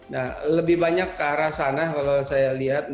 nah lebih banyak ke arah sana kalau saya lihat